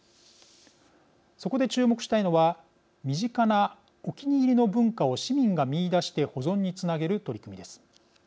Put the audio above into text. そこで注目したいのは身近なお気に入りの文化を市民が見いだして保存につなげる取り組みです。